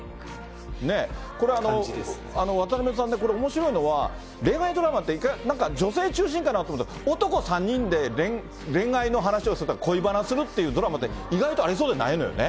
これ、渡辺さんね、これおもしろいのは、恋愛ドラマってなんか女性中心かなと思ったら、男３人で恋愛の話をする、恋バナをするっていうドラマで意外とありそうでないのよね。